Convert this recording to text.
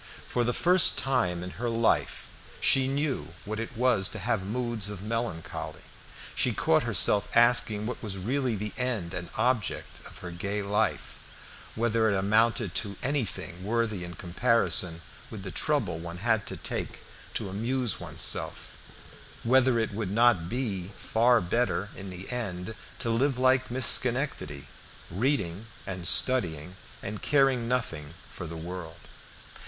For the first time in her life she knew what it was to have moods of melancholy; she caught herself asking what was really the end and object of her gay life, whether it amounted to anything worthy in comparison with the trouble one had to take to amuse one's self, whether it would not be far better in the end to live like Miss Schenectady, reading and studying and caring nothing for the world.